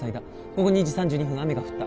午後２時３２分雨が降った